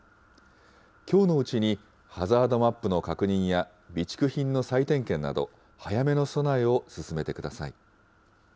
きょうのうちに、ハザードマップの確認や備蓄品の再点検など、早めの備えを進めてください。